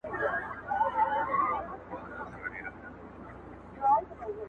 • په خوښۍ د مدرسې پر لور روان وه -